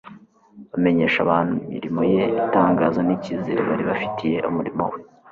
Bamenyeshaga abantu imirimo ye itangaza n'icyizere bari bafitiye umurimo we,